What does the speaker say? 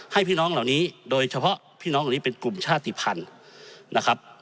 พี่น้องเหล่านี้โดยเฉพาะพี่น้องเหล่านี้เป็นกลุ่มชาติภัณฑ์นะครับ